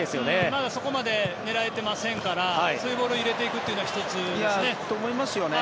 まだそこまで狙えていませんからそういうボールを入れていくのは１つですね。